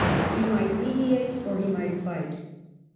He might meditate or he might fight.